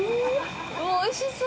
おいしそ！